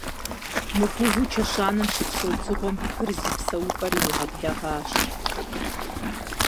Мыгувэу чэщанэм щыпсэу дзыгъуэм бгыр зи псэупӀэр иригъэблэгъащ.